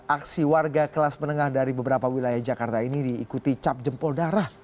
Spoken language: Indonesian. aksi warga kelas menengah dari beberapa wilayah jakarta ini diikuti cap jempol darah